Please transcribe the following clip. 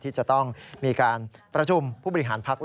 ที่จะต้องมีการประชุมผู้บริหารพัก